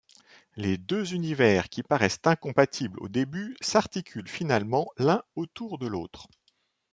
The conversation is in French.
Les deux univers, qui paraissent incompatibles au début, s'articulent finalement l'un autour de l'autre.